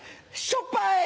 しょっぱい！